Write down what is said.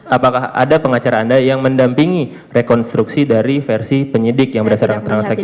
apakah ada pengacara anda yang mendampingi rekonstruksi dari versi penyidik yang berdasarkan keterangan saksi